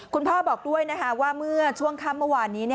คุณพ่อบอกด้วยว่าเมื่อช่วงค่ำเมื่อวานนี้